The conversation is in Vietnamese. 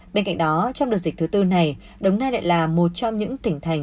bên cạnh đó trong đợt dịch thứ tư này đồng nai lại là một trong những tỉnh thành